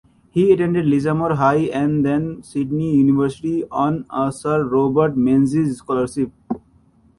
He attended Lismore High and then Sydney University on a Sir Robert Menzies scholarship.